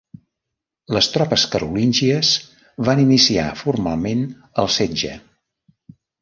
Les tropes carolíngies van iniciar formalment el setge.